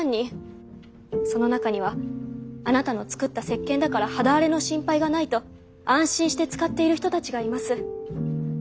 その中にはあなたの作った石鹸だから肌荒れの心配がないと安心して使っている人たちがいます。